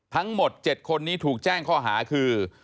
ทั้งหมด๗คนนี้ถูกแจ้งข้อหาคือ